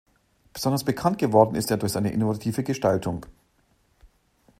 Besonders bekannt geworden ist er durch seine innovative Gestaltung.